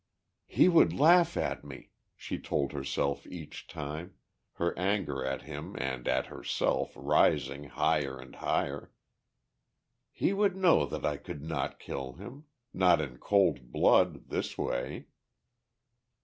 "He would laugh at me," she told herself each time, her anger at him and at herself rising higher and higher. "He would know that I could not kill him. Not in cold blood, this way!"